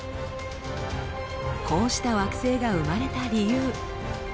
こうした惑星が生まれた理由。